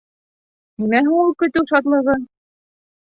— Нимә һуң ул көтөү шатлығы?